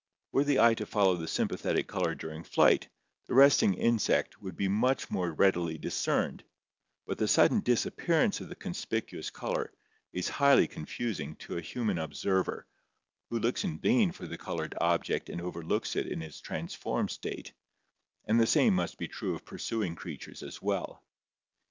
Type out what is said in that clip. Were the eye to follow the sympathetic color during flight, the resting insect would be much more readily discerned, but the sudden disappear ance of the conspicuous color is highly confusing to a human ob 238 ORGANIC EVOLUTION server, who looks in vain for the colored object and overlooks it in its transformed state, and the same must be true of pursuing creatures as well.